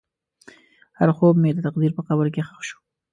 هر خوب مې د تقدیر په قبر کې ښخ شو.